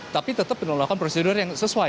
tapi tetap menolakkan prosedur yang sesuai